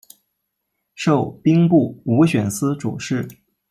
授兵部武选司主事。